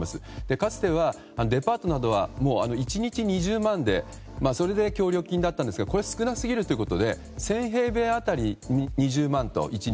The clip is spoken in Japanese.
かつてはデパートなどは１日２０万で協力金だったんですがこれ少なすぎるということで１０００平米当たり２０万と、１日。